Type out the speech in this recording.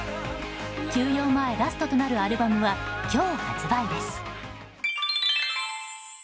休養前ラストとなるアルバムは今日発売です。